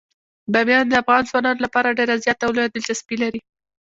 بامیان د افغان ځوانانو لپاره ډیره زیاته او لویه دلچسپي لري.